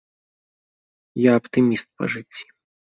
Я аптыміст па жыцці!